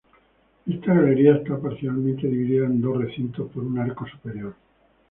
Esta galería está parcialmente dividida en dos recintos por un arco superior.